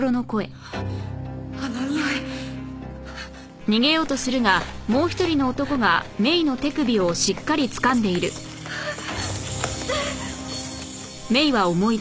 あのにおいああ。